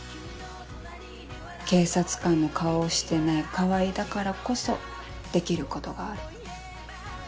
警察官の顔をしてない川合だからこそできることがある。